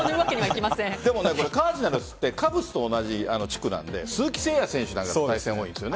カージナルスってカブスと同じ地区なんで鈴木誠也選手と対戦が多いです。